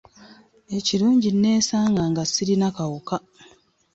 Ekirungi nneesanga nga sirina kawuka